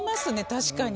確かに。